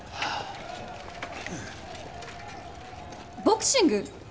ボクシング？